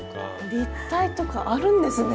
立体とかあるんですね。